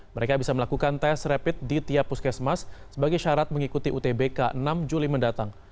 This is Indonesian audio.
mereka bisa melakukan tes rapid di tiap puskesmas sebagai syarat mengikuti utbk enam juli mendatang